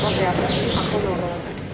karena kalau tak hukum kalau tak hukum aku dorong